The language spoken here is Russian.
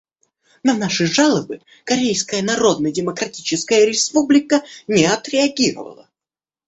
На наши жалобы Корейская Народно-Демократическая Республика не отреагировала.